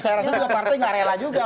saya rasa juga partai gak rela juga